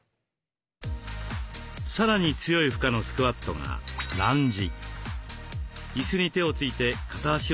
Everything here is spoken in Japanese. さらに強い負荷のスクワットが「ランジ」。